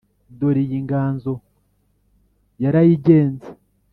dore iyi nganzo yarayigenze